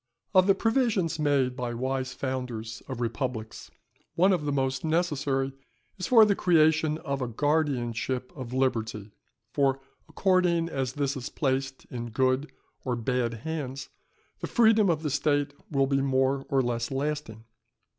_ Of the provisions made by wise founders of republics, one of the most necessary is for the creation of a guardianship of liberty; for according as this is placed in good or bad hands, the freedom of the State will be more or less lasting.